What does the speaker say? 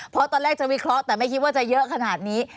เพราะตอนแรกจะวิเคราะห์แต่ไม่คิดว่าจะเยอะขนาดนี้